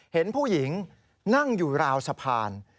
เห็นผู้หญิงนั่งอยู่ราวสะพาน